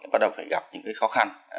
bắt đầu phải gặp những khó khăn